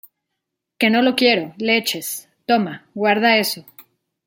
que no lo quiero, leches. toma, guarda eso.